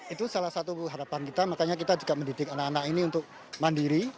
itu salah satu harapan kita makanya kita juga mendidik anak anak ini untuk mandiri